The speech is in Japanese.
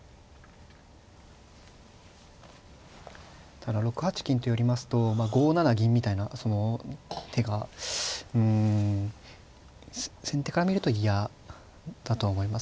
ただ６八金と寄りますと５七銀みたいなその手がうん先手から見ると嫌だとは思いますね。